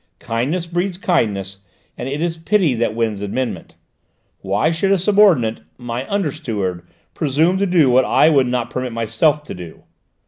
Kindness breeds kindness, and it is pity that wins amendment. Why should a subordinate, my under steward, presume to do what I would not permit myself to do?"